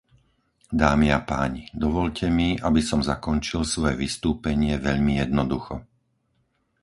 Dámy a páni, dovoľte mi, aby som zakončil svoje vystúpenie veľmi jednoducho.